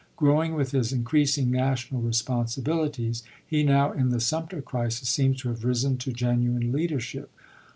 Growing with his increasing national responsibilities he now, in the Sumter crisis, seems to have risen to genuine leadership.